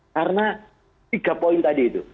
karena tiga poin tadi itu